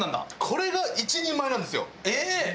これが１人前なんですよ。